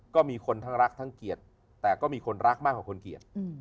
ก็มีคนทั้งรักทั้งเกลียดแต่ก็มีคนรักมากกว่าคนเกลียด